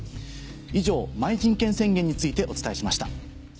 以上Ｍｙじんけん宣言についてお伝えしました。